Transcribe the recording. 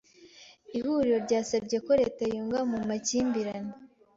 Ihuriro ryasabye ko leta yunga mu makimbirane.